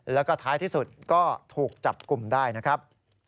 แล้วก็ท้ายที่สุดก็ถูกจับกลุ่มได้นะครับ